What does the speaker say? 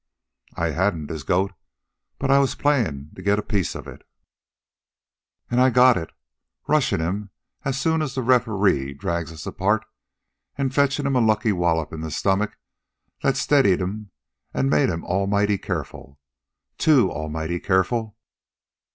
"I hadn't his goat, but I was playin' to get a piece of it, an' I got it, rushin' 'm as soon as the referee drags us apart an' fetchin' 'm a lucky wallop in the stomach that steadied 'm an' made him almighty careful. Too almighty careful.